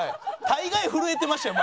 大概震えてましたよ